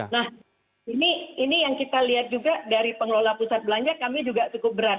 nah ini yang kita lihat juga dari pengelola pusat belanja kami juga cukup berat